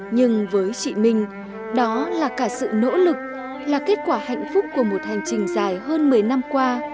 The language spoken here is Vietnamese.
nhưng với chị minh đó là cả sự nỗ lực là kết quả hạnh phúc của một hành trình dài hơn một mươi năm qua